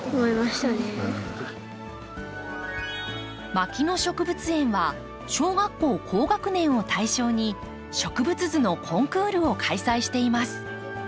牧野植物園は小学校高学年を対象に植物図のコンクールを開催しています。